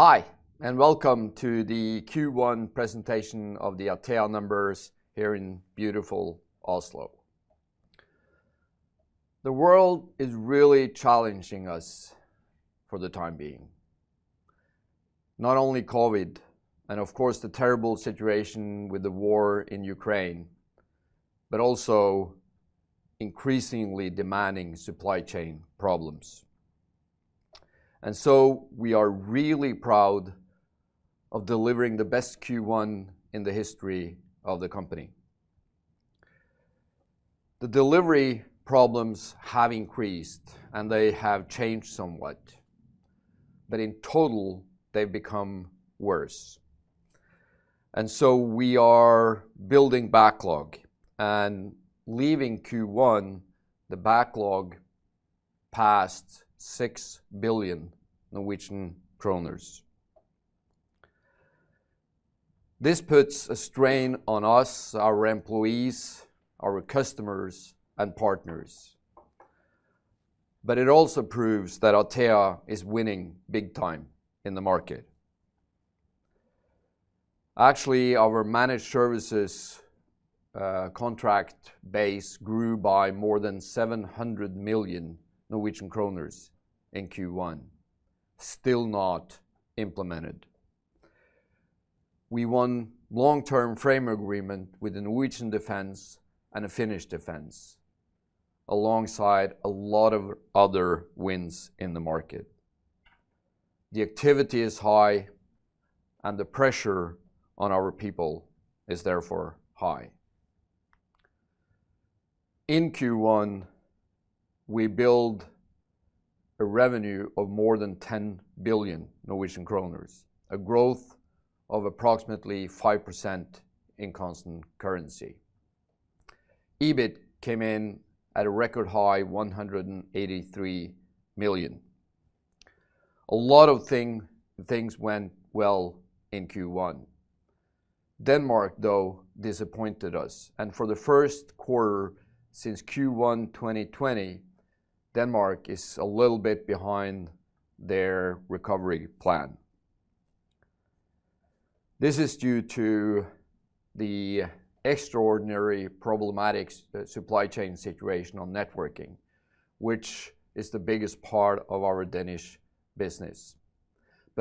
Hi, and welcome to the Q1 presentation of the Atea numbers here in beautiful Oslo. The world is really challenging us for the time being. Not only COVID, and of course, the terrible situation with the war in Ukraine, but also increasingly demanding supply chain problems. We are really proud of delivering the best Q1 in the history of the company. The delivery problems have increased, and they have changed somewhat. In total, they've become worse. We are building backlog, and leaving Q1, the backlog passed NOK 6 billion. This puts a strain on us, our employees, our customers, and partners. It also proves that Atea is winning big time in the market. Actually, our managed services contract base grew by more than 700 million Norwegian kroner in Q1, still not implemented. We won long-term frame agreement with the Norwegian Defense and the Finnish Defense, alongside a lot of other wins in the market. The activity is high, and the pressure on our people is therefore high. In Q1, we built a revenue of more than 10 billion Norwegian kroner, a growth of approximately 5% in constant currency. EBIT came in at a record high 183 million. A lot of things went well in Q1. Denmark, though, disappointed us, and for the first quarter since Q1 2020, Denmark is a little bit behind their recovery plan. This is due to the extraordinary problematic supply chain situation on networking, which is the biggest part of our Danish business.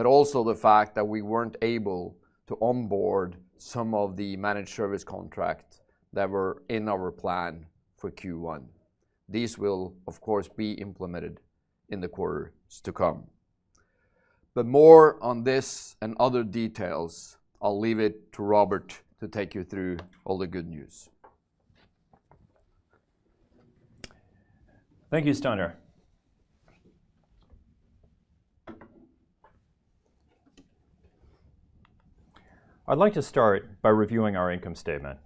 Also the fact that we weren't able to onboard some of the managed service contracts that were in our plan for Q1. These will, of course, be implemented in the quarters to come. More on this and other details, I'll leave it to Robert to take you through all the good news. Thank you, Steinar. I'd like to start by reviewing our income statement.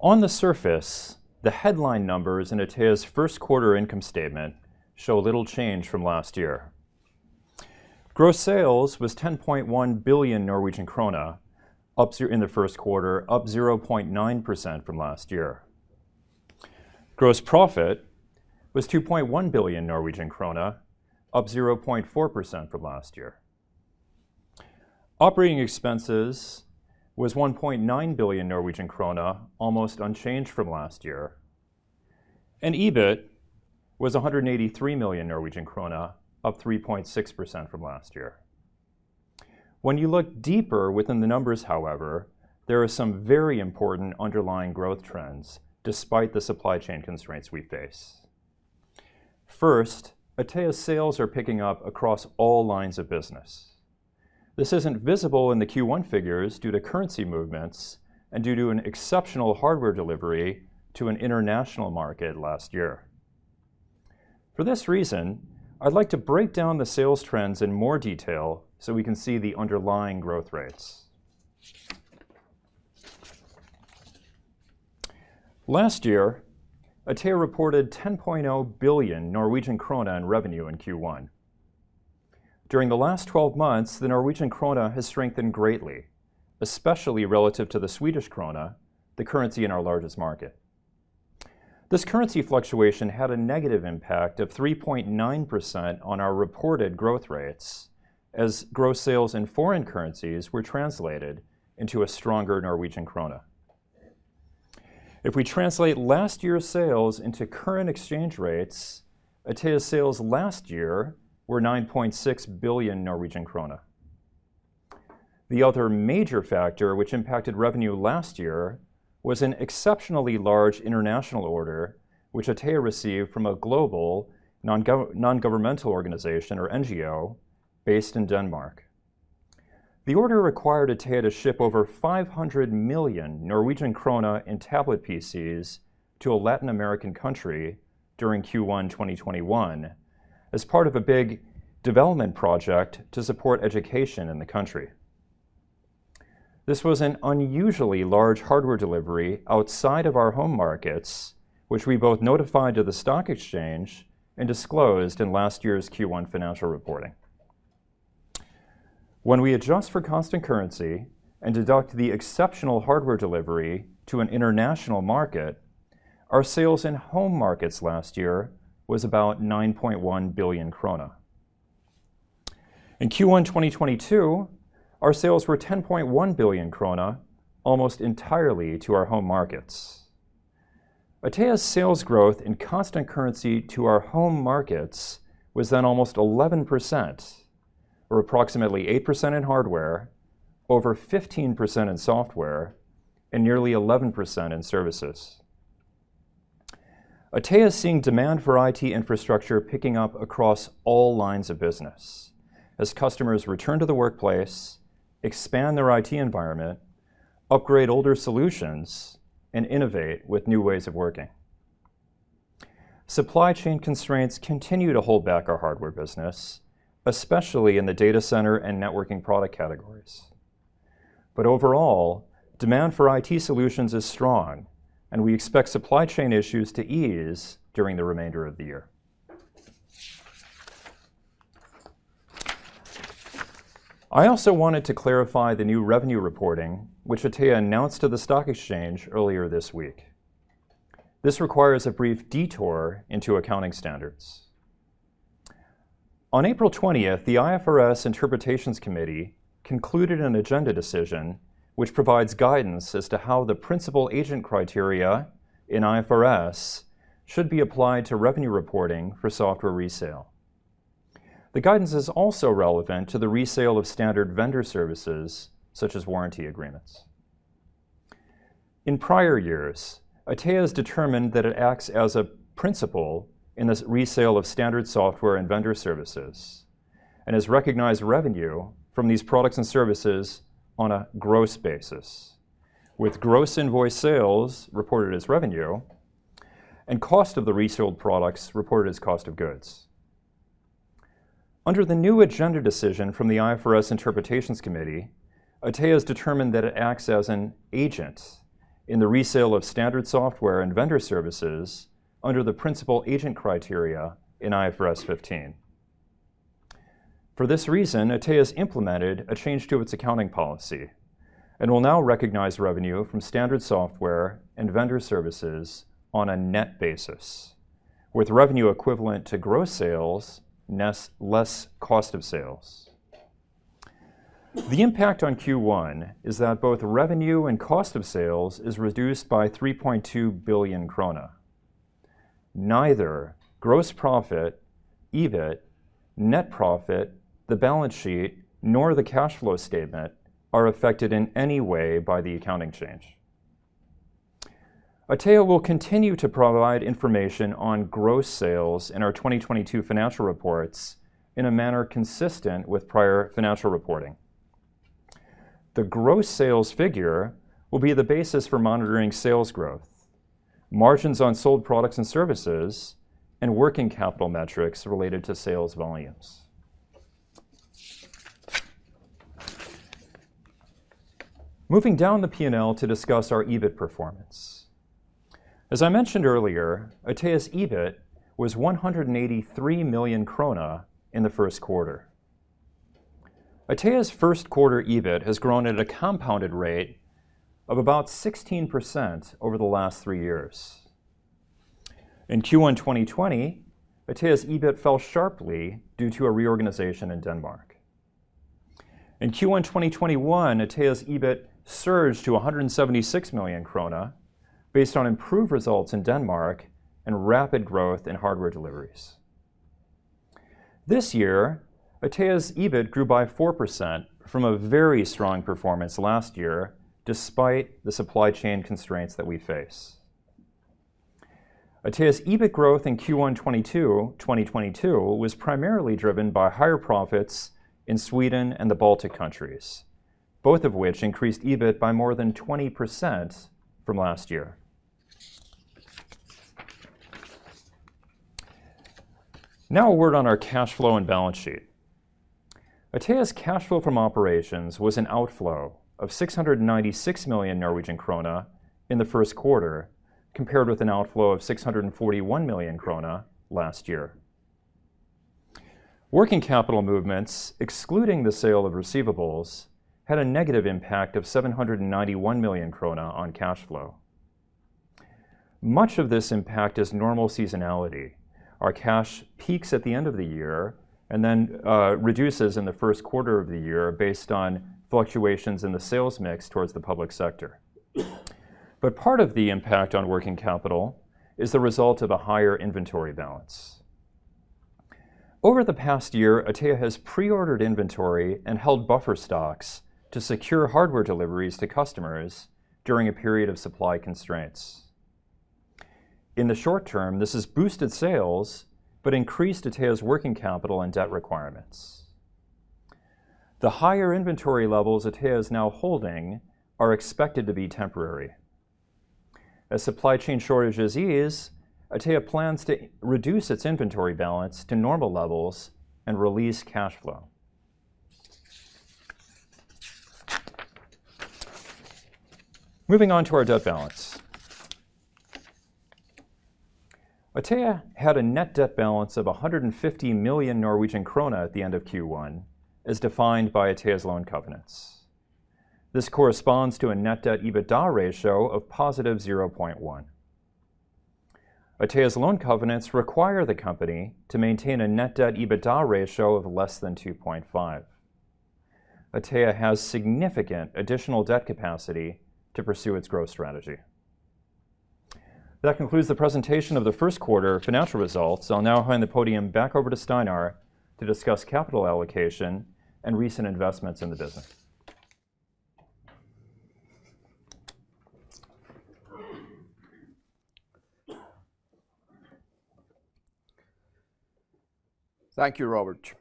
On the surface, the headline numbers in Atea's first quarter income statement show little change from last year. Gross sales was 10.1 billion Norwegian krone, up here in the first quarter, up 0.9% from last year. Gross profit was 2.1 billion Norwegian krone, up 0.4% from last year. Operating expenses was 1.9 billion Norwegian krone, almost unchanged from last year. EBIT was 183 million Norwegian krone, up 3.6% from last year. When you look deeper within the numbers, however, there are some very important underlying growth trends despite the supply chain constraints we face. First, Atea's sales are picking up across all lines of business. This isn't visible in the Q1 figures due to currency movements and due to an exceptional hardware delivery to an international market last year. For this reason, I'd like to break down the sales trends in more detail so we can see the underlying growth rates. Last year, Atea reported 10.0 billion Norwegian krone in revenue in Q1. During the last twelve months, the Norwegian krone has strengthened greatly, especially relative to the Swedish krone, the currency in our largest market. This currency fluctuation had a negative impact of 3.9% on our reported growth rates as gross sales in foreign currencies were translated into a stronger Norwegian krone. If we translate last year's sales into current exchange rates, Atea's sales last year were 9.6 billion Norwegian krone. The other major factor which impacted revenue last year was an exceptionally large international order which Atea received from a global non-governmental organization or NGO based in Denmark. The order required Atea to ship over 500 million Norwegian krone in tablet PCs to a Latin American country during Q1 2021 as part of a big development project to support education in the country. This was an unusually large hardware delivery outside of our home markets, which we both notified to the stock exchange and disclosed in last year's Q1 financial reporting. When we adjust for constant currency and deduct the exceptional hardware delivery to an international market, our sales in home markets last year was about 9.1 billion krone. In Q1 2022, our sales were 10.1 billion krone, almost entirely to our home markets. Atea's sales growth in constant currency to our home markets was then almost 11%, or approximately 8% in hardware, over 15% in software, and nearly 11% in services. Atea is seeing demand for IT infrastructure picking up across all lines of business as customers return to the workplace, expand their IT environment, upgrade older solutions, and innovate with new ways of working. Supply chain constraints continue to hold back our hardware business, especially in the data center and networking product categories. Overall, demand for IT solutions is strong, and we expect supply chain issues to ease during the remainder of the year. I also wanted to clarify the new revenue reporting, which Atea announced to the stock exchange earlier this week. This requires a brief detour into accounting standards. On April 20th, the IFRS Interpretations Committee concluded an agenda decision which provides guidance as to how the principal agent criteria in IFRS should be applied to revenue reporting for software resale. The guidance is also relevant to the resale of standard vendor services, such as warranty agreements. In prior years, Atea has determined that it acts as a principal in this resale of standard software and vendor services, and has recognized revenue from these products and services on a gross basis, with gross invoice sales reported as revenue and cost of the resold products reported as cost of goods. Under the new agenda decision from the IFRS Interpretations Committee, Atea has determined that it acts as an agent in the resale of standard software and vendor services under the principal agent criteria in IFRS 15. For this reason, Atea has implemented a change to its accounting policy and will now recognize revenue from standard software and vendor services on a net basis, with revenue equivalent to gross sales less cost of sales. The impact on Q1 is that both revenue and cost of sales is reduced by 3.2 billion krone. Neither gross profit, EBIT, net profit, the balance sheet, nor the cash flow statement are affected in any way by the accounting change. Atea will continue to provide information on gross sales in our 2022 financial reports in a manner consistent with prior financial reporting. The gross sales figure will be the basis for monitoring sales growth, margins on sold products and services, and working capital metrics related to sales volumes. Moving down the P&L to discuss our EBIT performance. As I mentioned earlier, Atea's EBIT was 183 million krone in the first quarter. Atea's first quarter EBIT has grown at a compounded rate of about 16% over the last three years. In Q1 2020, Atea's EBIT fell sharply due to a reorganization in Denmark. In Q1 2021, Atea's EBIT surged to 176 million krone based on improved results in Denmark and rapid growth in hardware deliveries. This year, Atea's EBIT grew by 4% from a very strong performance last year, despite the supply chain constraints that we face. Atea's EBIT growth in Q1 2022 was primarily driven by higher profits in Sweden and the Baltic countries, both of which increased EBIT by more than 20% from last year. Now a word on our cash flow and balance sheet. Atea's cash flow from operations was an outflow of 696 million Norwegian krone in the first quarter, compared with an outflow of 641 million krone last year. Working capital movements, excluding the sale of receivables, had a negative impact of 791 million krone on cash flow. Much of this impact is normal seasonality. Our cash peaks at the end of the year and then reduces in the first quarter of the year based on fluctuations in the sales mix towards the public sector. Part of the impact on working capital is the result of a higher inventory balance. Over the past year, Atea has pre-ordered inventory and held buffer stocks to secure hardware deliveries to customers during a period of supply constraints. In the short term, this has boosted sales, but increased Atea's working capital and debt requirements. The higher inventory levels Atea is now holding are expected to be temporary. As supply chain shortages ease, Atea plans to reduce its inventory balance to normal levels and release cash flow. Moving on to our debt balance. Atea had a net debt balance of 150 million Norwegian krone at the end of Q1, as defined by Atea's loan covenants. This corresponds to a net debt EBITDA ratio of positive 0.1. Atea's loan covenants require the company to maintain a net debt EBITDA ratio of less than 2.5. Atea has significant additional debt capacity to pursue its growth strategy. That concludes the presentation of the first quarter financial results. I'll now hand the podium back over to Steinar to discuss capital allocation and recent investments in the business. Thank you, Robert.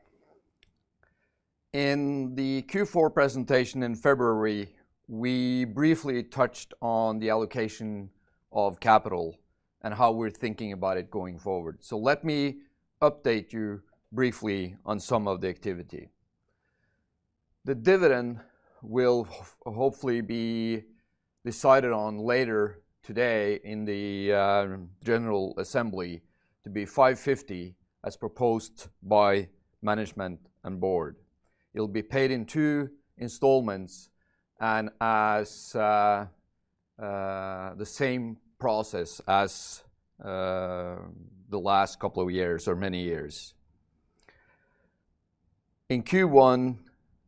In the Q4 presentation in February, we briefly touched on the allocation of capital and how we're thinking about it going forward. Let me update you briefly on some of the activity. The dividend will hopefully be decided on later today in the general assembly to be 5.50 as proposed by management and board. It'll be paid in two installments and as the same process as the last couple of years or many years. In Q1,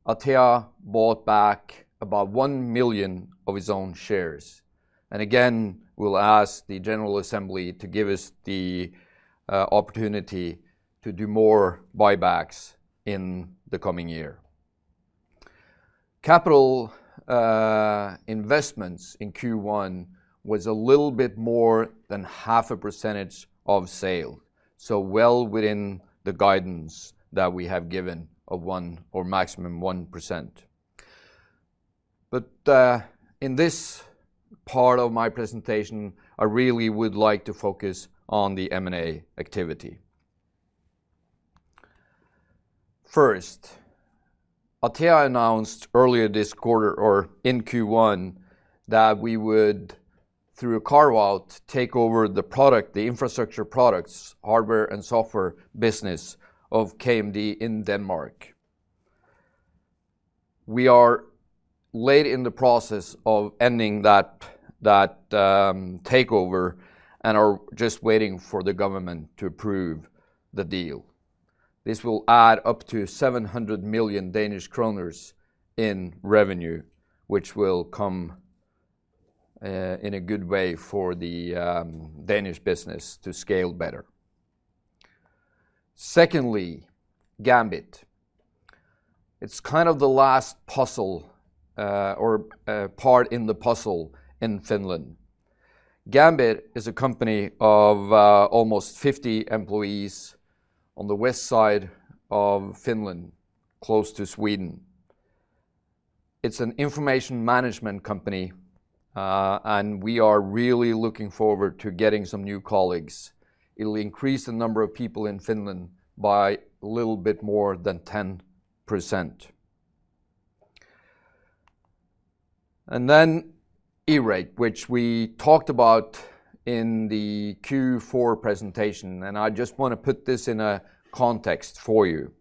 Atea bought back about one million of its own shares, and again, we'll ask the general assembly to give us the opportunity to do more buybacks in the coming year. Capital investments in Q1 was a little bit more than 0.5% of sales, so well within the guidance that we have given of 1% or maximum 1%. in this part of my presentation, I really would like to focus on the M&A activity. First, Atea announced earlier this quarter or in Q1 that we would, through a carve-out, take over the infrastructure products, hardware and software business of KMD in Denmark. We are late in the process of ending that takeover and are just waiting for the government to approve the deal. This will add up to 700 million Danish kroner in revenue, which will come in a good way for the Danish business to scale better. Secondly, Gambit. It's kind of the last puzzle or part in the puzzle in Finland. Gambit is a company of almost 50 employees on the west side of Finland, close to Sweden. It's an information management company, and we are really looking forward to getting some new colleagues. It'll increase the number of people in Finland by a little bit more than 10%. eRate, which we talked about in the Q4 presentation, and I just wanna put this in a context for you.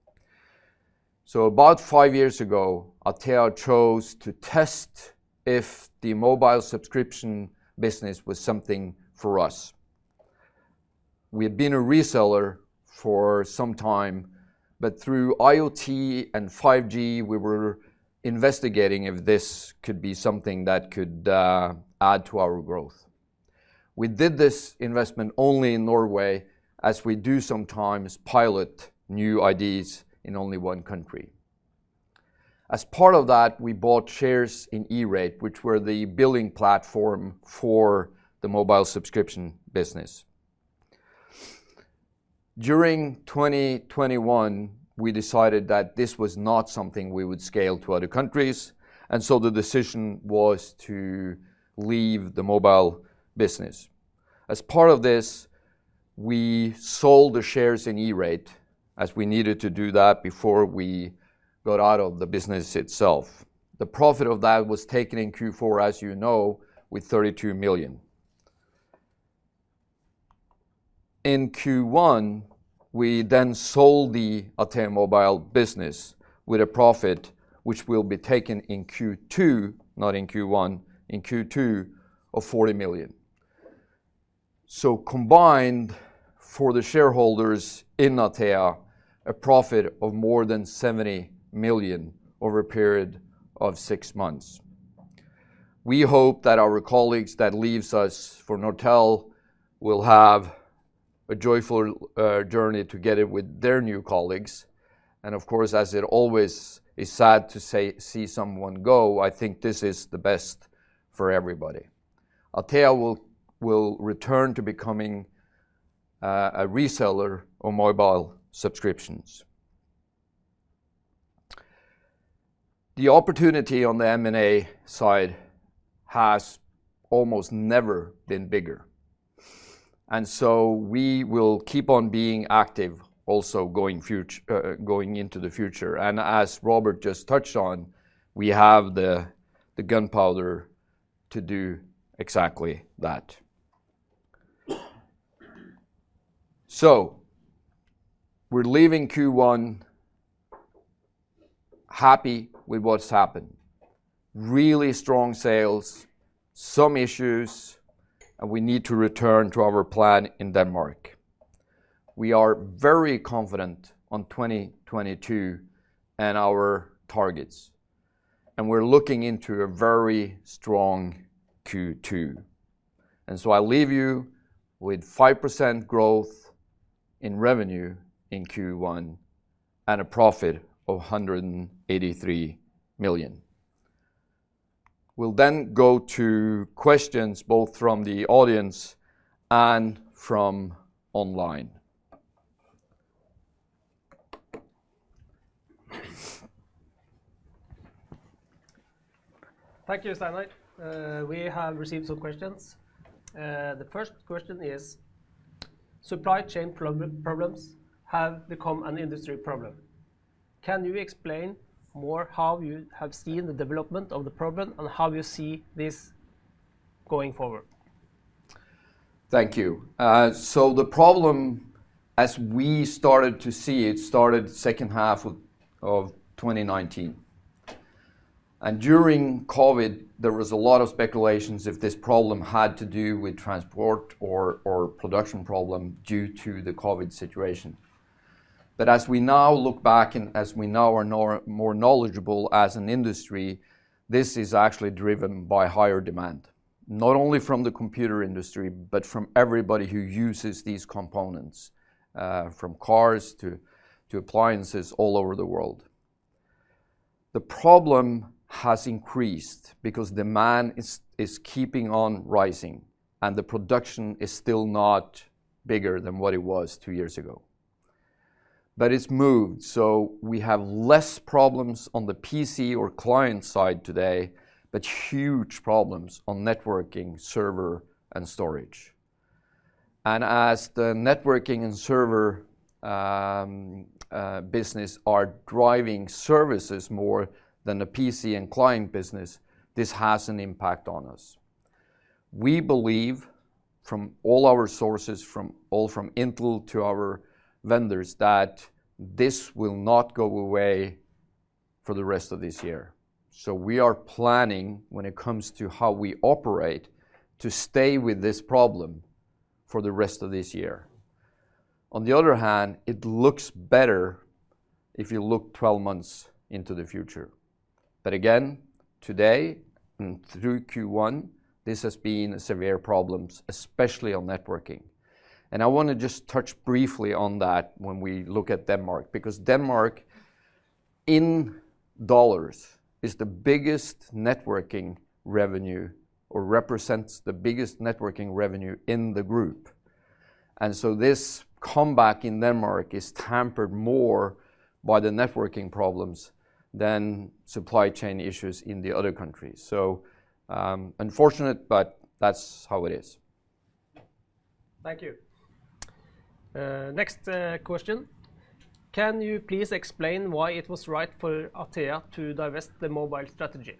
About five years ago, Atea chose to test if the mobile subscription business was something for us. We had been a reseller for some time, but through IoT and 5G we were investigating if this could be something that could add to our growth. We did this investment only in Norway, as we do sometimes pilot new ideas in only one country. As part of that, we bought shares in eRate, which were the billing platform for the mobile subscription business. During 2021, we decided that this was not something we would scale to other countries, and so the decision was to leave the Mobil business. As part of this, we sold the shares in eRate, as we needed to do that before we got out of the business itself. The profit of that was taken in Q4, as you know, with 32 million. In Q1, we then sold the Atea Mobil business with a profit which will be taken in Q2, not in Q1, in Q2 of 40 million. Combined for the shareholders in Atea, a profit of more than 70 million over a period of six months. We hope that our colleagues that leaves us for Nortel AS will have a joyful journey together with their new colleagues. Of course, as it always is sad to see someone go, I think this is the best for everybody. Atea will return to becoming a reseller of mobile subscriptions. The opportunity on the M&A side has almost never been bigger. We will keep on being active also going into the future. As Robert just touched on, we have the gunpowder to do exactly that. We're leaving Q1 happy with what's happened. Really strong sales, some issues, and we need to return to our plan in Denmark. We are very confident on 2022 and our targets, and we're looking into a very strong Q2. I leave you with 5% growth in revenue in Q1 and a profit of 183 million. We'll then go to questions both from the audience and from online. Thank you, Steinar Sønsteby. We have received some questions. The first question is, "Supply chain problems have become an industry problem. Can you explain more how you have seen the development of the problem and how you see this going forward? Thank you. So the problem as we started to see it started second half of 2019. During COVID, there was a lot of speculations if this problem had to do with transport or production problem due to the COVID situation. As we now look back and as we now are more knowledgeable as an industry, this is actually driven by higher demand, not only from the computer industry but from everybody who uses these components, from cars to appliances all over the world. The problem has increased because demand is keeping on rising and the production is still not bigger than what it was two years ago. It's moved, so we have less problems on the PC or client side today, but huge problems on networking, server, and storage. As the networking and server business are driving services more than the PC and client business, this has an impact on us. We believe from all our sources, from Intel to our vendors, that this will not go away for the rest of this year. We are planning, when it comes to how we operate, to stay with this problem for the rest of this year. On the other hand, it looks better if you look 12 months into the future. Again, today and through Q1, this has been severe problems, especially on networking. I wanna just touch briefly on that when we look at Denmark, because Denmark, in dollars, is the biggest networking revenue or represents the biggest networking revenue in the group. This comeback in Denmark is tempered more by the networking problems than supply chain issues in the other countries. Unfortunate, but that's how it is. Thank you. Next, question: Can you please explain why it was right for Atea to divest the mobile strategy?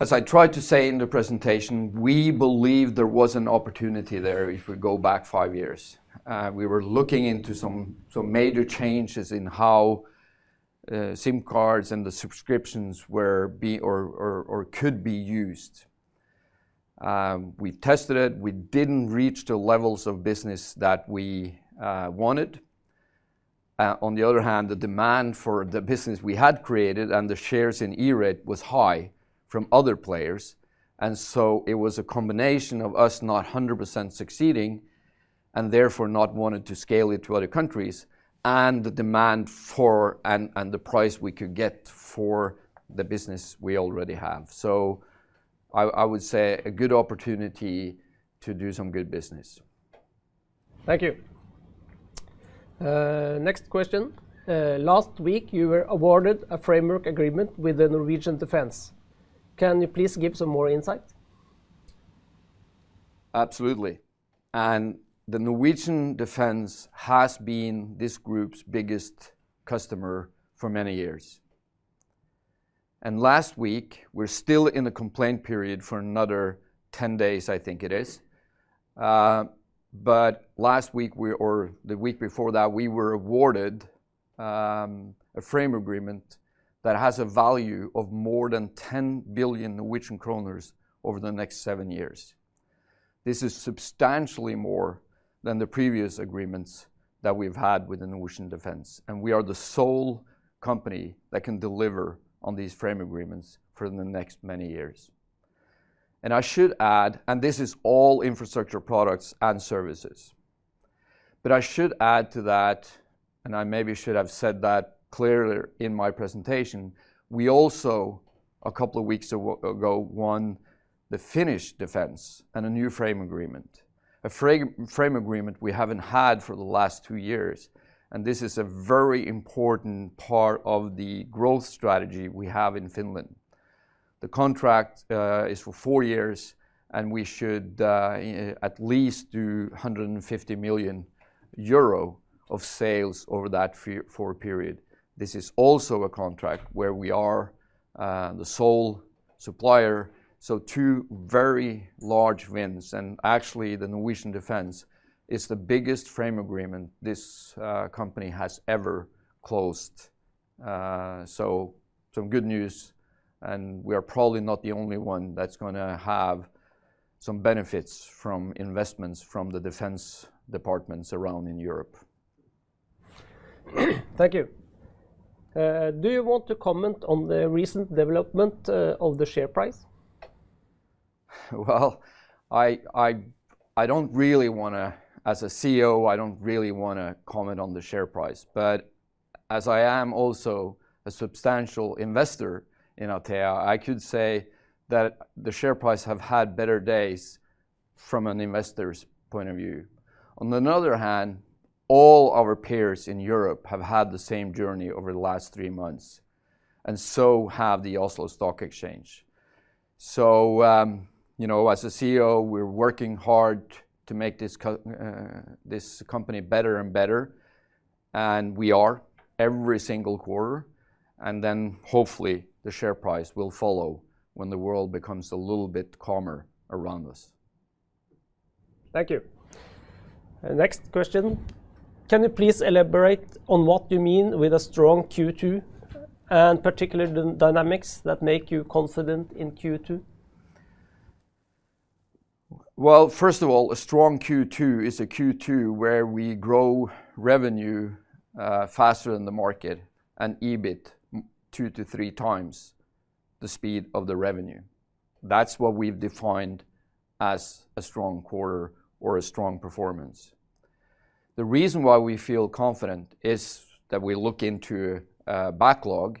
As I tried to say in the presentation, we believe there was an opportunity there if we go back five years. We were looking into some major changes in how SIM cards and the subscriptions could be used. We tested it. We didn't reach the levels of business that we wanted. On the other hand, the demand for the business we had created and the shares in eRate was high from other players. It was a combination of us not 100% succeeding, and therefore not wanting to scale it to other countries, and the demand and the price we could get for the business we already have. I would say a good opportunity to do some good business. Thank you. Next question. Last week, you were awarded a framework agreement with the Norwegian Defense. Can you please give some more insight? Absolutely. The Norwegian Defense has been this group's biggest customer for many years. Last week, we're still in the complaint period for another 10 days, I think it is. But last week or the week before that, we were awarded a frame agreement that has a value of more than 10 billion Norwegian kroner over the next seven years. This is substantially more than the previous agreements that we've had with the Norwegian Defense, and we are the sole company that can deliver on these frame agreements for the next many years. I should add, and this is all infrastructure products and services. I should add to that, and I maybe should have said that clearer in my presentation, we also a couple of weeks ago won the Finnish Defense and a new frame agreement, frame agreement we haven't had for the last two years, and this is a very important part of the growth strategy we have in Finland. The contract is for four years, and we should at least do 150 million euro of sales over that four-year period. This is also a contract where we are the sole supplier, so two very large wins. Actually, the Norwegian Defense is the biggest frame agreement this company has ever closed. Some good news, and we are probably not the only one that's gonna have some benefits from investments from the defense departments around in Europe. Thank you. Do you want to comment on the recent development of the share price? Well, I don't really wanna. As a CEO, I don't really wanna comment on the share price. As I am also a substantial investor in Atea, I could say that the share price have had better days from an investor's point of view. On the other hand, all our peers in Europe have had the same journey over the last three months, and so have the Oslo Stock Exchange. You know, as a CEO, we're working hard to make this company better and better, and we are every single quarter, and then hopefully the share price will follow when the world becomes a little bit calmer around us. Thank you. Next question, can you please elaborate on what you mean with a strong Q2, and particularly the dynamics that make you confident in Q2? Well, first of all, a strong Q2 is a Q2 where we grow revenue faster than the market and EBIT 2x-3x the speed of the revenue. That's what we've defined as a strong quarter or a strong performance. The reason why we feel confident is that we look into backlog,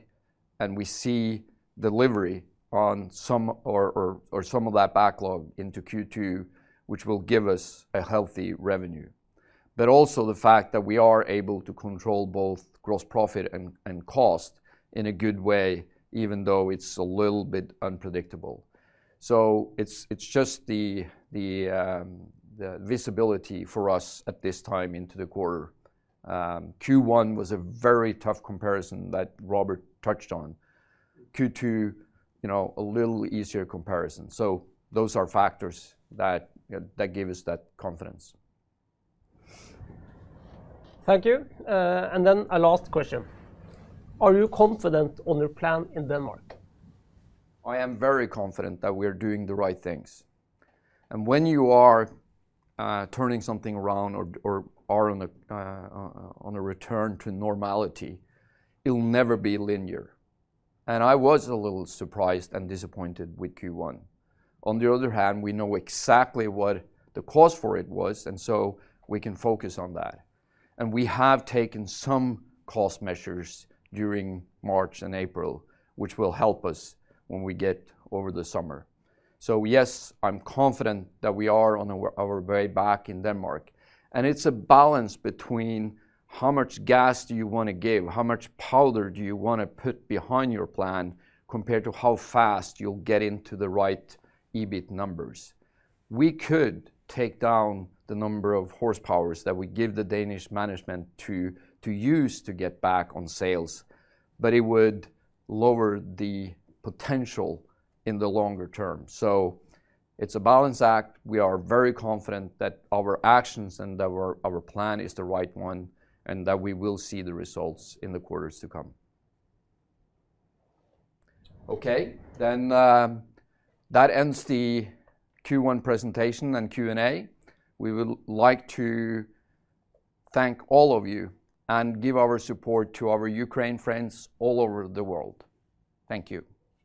and we see delivery on some of that backlog into Q2, which will give us a healthy revenue. But also the fact that we are able to control both gross profit and cost in a good way, even though it's a little bit unpredictable. It's just the visibility for us at this time into the quarter. Q1 was a very tough comparison that Robert touched on. Q2, you know, a little easier comparison. Those are factors that give us that confidence. Thank you. A last question. Are you confident on your plan in Denmark? I am very confident that we're doing the right things, and when you are turning something around or are on a return to normality, it'll never be linear, and I was a little surprised and disappointed with Q1. On the other hand, we know exactly what the cause for it was, and so we can focus on that. We have taken some cost measures during March and April, which will help us when we get over the summer. Yes, I'm confident that we are on our way back in Denmark, and it's a balance between how much gas do you wanna give, how much powder do you wanna put behind your plan compared to how fast you'll get into the right EBIT numbers. We could take down the number of horsepowers that we give the Danish management to use to get back on sales, but it would lower the potential in the longer term. It's a balancing act. We are very confident that our actions and that our plan is the right one, and that we will see the results in the quarters to come. Okay. That ends the Q1 presentation and Q&A. We would like to thank all of you and give our support to our Ukrainian friends all over the world. Thank you.